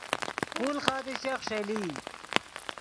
خولخادے ݰئیلے شیخ ای